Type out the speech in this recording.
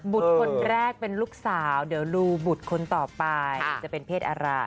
คนแรกเป็นลูกสาวเดี๋ยวดูบุตรคนต่อไปจะเป็นเพศอะไร